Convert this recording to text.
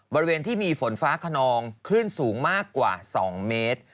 บริเวณที่มีฝนฟ้าขนองคลื่นสูงมากกว่า๒เมตร